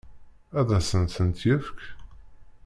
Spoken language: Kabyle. Ad asent-ten-yefk?